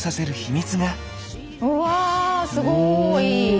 うわすごい！